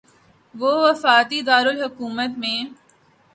کہ وفاقی دارالحکومت میں